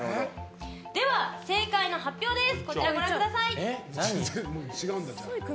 では、正解の発表です。